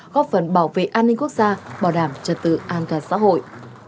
góp phần bảo vệ an ninh quốc gia bảo đảm trật tự an toàn xã hội